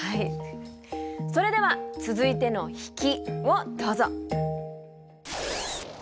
それでは続いての引きをどうぞ。